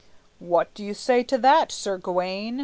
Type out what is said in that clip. "What do you say to that, Sir Gawayne?"